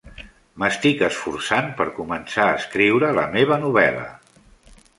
M'estic esforçant per començar a escriure la meva novel·la.